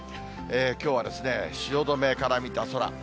きょうは汐留から見た空。